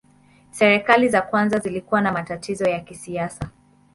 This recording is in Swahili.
Serikali za kwanza zilikuwa na matatizo ya kisiasa.